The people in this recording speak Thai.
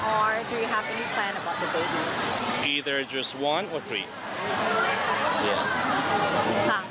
ก็ก็ค่อยค่อยเป็นพอชาติไปก็เดี๋ยวรอดูค่ะ